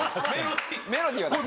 メロディーは出さない。